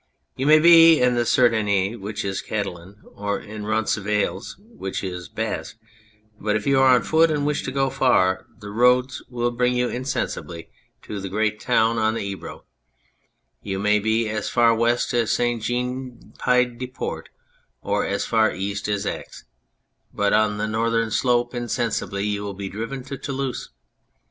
You may be in the Cerdagne (which is Catalan) or in Roncesvalles (which is Basque), but if you are on foot and wish to go far the roads will bring you insensibly to the great 270 On Two Towns town on the Ebro ; you may be as far west as St. Jeaii Pied de Port or as far east as Ax, but 011 the northern slope insensibly you will be driven to Toulouse.